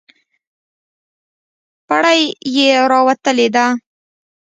بړۍ یې راوتلې ده.